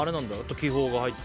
記号が入って。